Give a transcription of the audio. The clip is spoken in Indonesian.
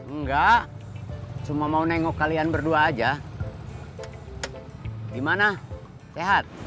enggak cuma mau nengok kalian berdua aja gimana sehat